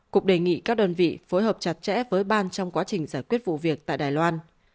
cục đề nghị các đơn vị phối hợp chặt chẽ với ban trong quá trình giải quyết vụ việc tại đài loan